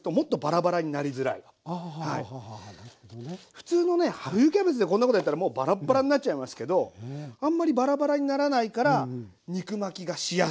普通のね冬キャベツでこんなことやったらもうバラッバラになっちゃいますけどあんまりバラバラにならないから肉巻きがしやすい。